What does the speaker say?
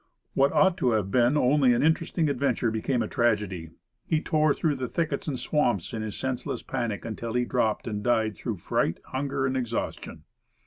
What ought to have been only an interesting adventure, became a tragedy. He tore through thickets and swamps in his senseless panic, until he dropped and died through fright, hunger and exhaustion.